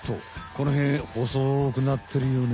このへんほそくなってるよね？